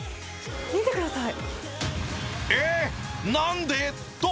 見てください！